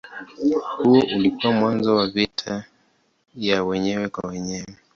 Huo ulikuwa mwanzo wa vita ya wenyewe kwa wenyewe.